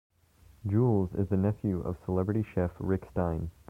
Jules is the nephew of celebrity chef Rick Stein.